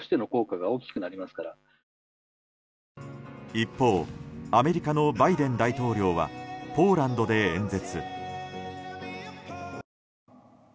一方アメリカのバイデン大統領はポーランドで演説。